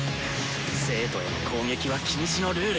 生徒への攻撃は禁止のルール。